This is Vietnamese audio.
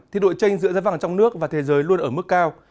thì đội tranh giữa giá vàng trong nước và thế giới luôn ở mức cao